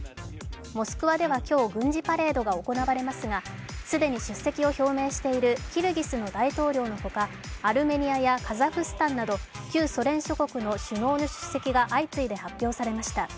モスクワでは今日、軍事パレードが行われますが既に出席を表明しているキルギスの大統領のほかアルメニアやカザフスタンなど旧ソ連諸国の首脳の出席が相次いで発表されました。